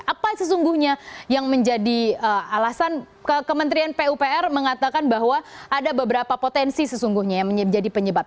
apa sesungguhnya yang menjadi alasan kementerian pupr mengatakan bahwa ada beberapa potensi sesungguhnya yang menjadi penyebab